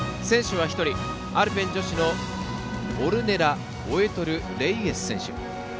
選手は１人、アルペン女子のオルネラ・オエトルレイエス選手。